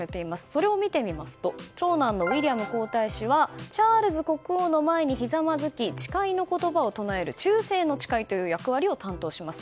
それを見てみますと長男のウィリアム皇太子はチャールズ国王の前にひざまずき誓いの言葉を唱える忠誠の誓いを担当します。